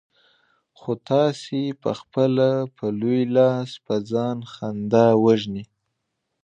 خو تاسې پخپله په لوی لاس په ځان خندا وژنئ.